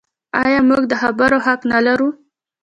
آیا موږ د خبرو حق نلرو؟